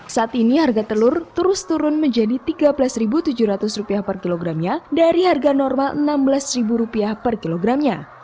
saat ini harga telur terus turun menjadi rp tiga belas tujuh ratus per kilogramnya dari harga normal rp enam belas per kilogramnya